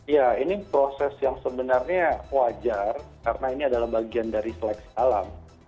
ya ini proses yang sebenarnya wajar karena ini adalah bagian dari seleksi alam